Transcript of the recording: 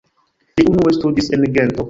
Li unue studis en Gento.